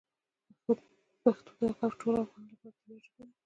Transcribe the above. پښتو د هغو ټولو افغانانو لپاره د ویاړ ژبه ده.